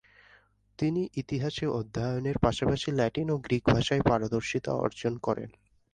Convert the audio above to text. তিনি ইতিহাসে অধ্যায়নের পাশাপাশি ল্যাটিন ও গ্রিক ভাষায় পারদর্শিতা অর্জন করেন।